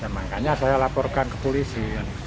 makanya saya laporkan ke polisi